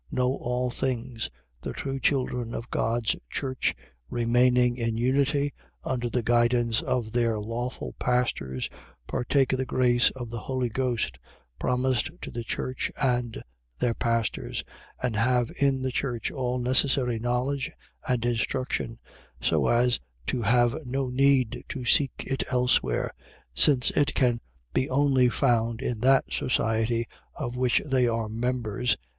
Know all things. . .The true children of God's church, remaining in unity, under the guidance of their lawful pastors, partake of the grace of the Holy Ghost, promised to the church and her pastors; and have in the church all necessary knowledge and instruction; so as to have no need to seek it elsewhere, since it can be only found in that society of which they are members.